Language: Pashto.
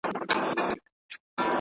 سوله زموږ لویه اړتیا ده.